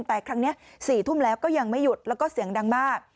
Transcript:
แต่ครั้งนี้๔ทุ่มแล้วก็ยังไม่หยุดแล้วก็เสียงดังมาก